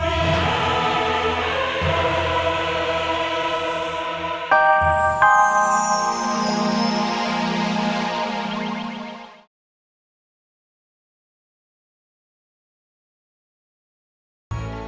ini yang kita pilih